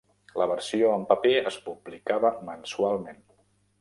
La versió en paper es publicava mensualment.